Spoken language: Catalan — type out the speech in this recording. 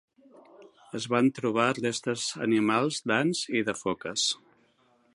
Es van trobar restes animals d'ants i de foques.